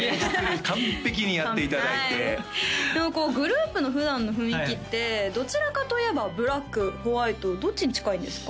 完璧にやっていただいてでもこうグループの普段の雰囲気ってどちらかといえばブラックホワイトどっちに近いんですか？